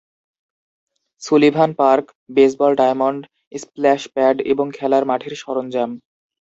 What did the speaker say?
Sullivan park - baseball diamond, splash pad, এবং খেলার মাঠের সরঞ্জাম।